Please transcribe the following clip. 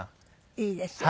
いいですね。